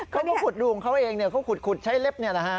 เขาก็ขุดรูของเขาเองเนี่ยเขาขุดใช้เล็บเนี่ยนะฮะ